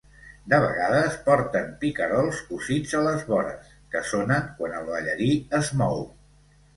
De vegades porten picarols cosits a les vores, que sonen quan el ballarí es mou.